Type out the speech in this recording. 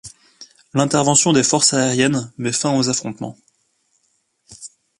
L'intervention des forces aériennes met fin aux affrontements.